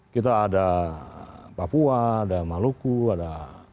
kita ada papua ada maluku ada